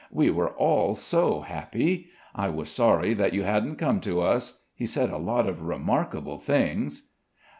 We were all so happy. I was sorry that you hadn't come to us. He said a lot of remarkable things."